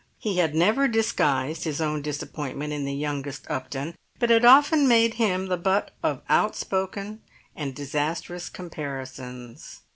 He had never disguised his own disappointment in the youngest Upton, but had often made him the butt of outspoken and disastrous comparisons.